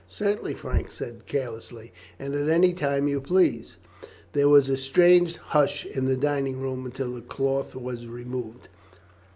"Certainly," Frank said carelessly; "and at any time you please." There was a strange hush in the dining room until the cloth was removed.